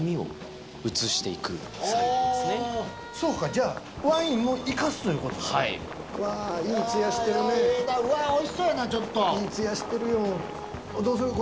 そうかじゃあワインも生かすということですかはいわいい艶してるねええなおいしそうやなちょっといい艶してるよ